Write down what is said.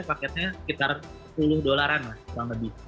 paketnya sekitar sepuluh dollaran lah